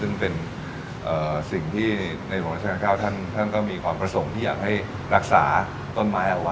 ซึ่งเป็นสิ่งที่ในหลวงราชการเก้าท่านก็มีความประสงค์ที่อยากให้รักษาต้นไม้เอาไว้